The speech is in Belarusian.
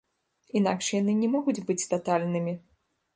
Інакш яны не могуць быць татальнымі.